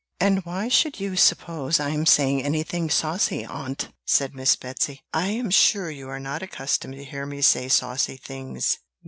"And why should you suppose I am saying anything saucy, aunt?" said Miss Betsy; "I am sure you are not accustomed to hear me say saucy things."